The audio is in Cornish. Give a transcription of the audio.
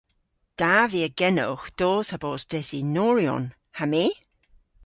Da via genowgh dos ha bos desinoryon. Ha my?